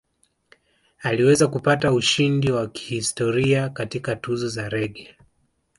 Aliweza kupata ushindi wa kihistoria katika Tuzo za Reggae